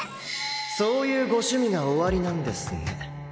そういうご趣味がおありなんですね。